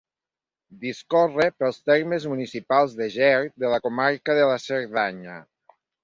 Discorre pels termes municipals de Ger, de la comarca de la Cerdanya.